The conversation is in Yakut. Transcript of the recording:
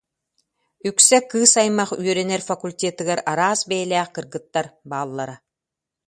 Үксэ кыыс аймах үөрэнэр факультетыгар араас бэйэлээх кыргыттар бааллара